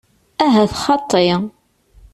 Ahat xaṭi.